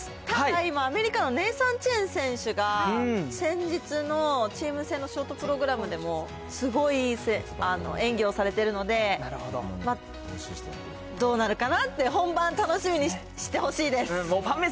ただ、今、アメリカのネイサン・チェン選手が、先日のチーム戦のショートプログラムでも、すごいいい演技をされてるので、どうなるかなって、本番、楽しみにしてほしいです。